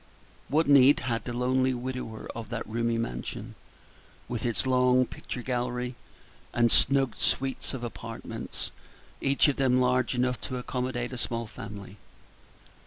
What need had the lonely widower of that roomy mansion, with its long picture gallery and snug suites of apartments, each of them large enough to accommodate a small family?